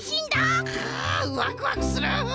くワクワクする！